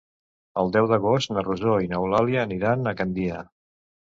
El deu d'agost na Rosó i n'Eulàlia aniran a Gandia.